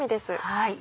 はい。